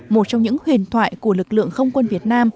một trong những huyền thoại của lực lượng không quân việt nam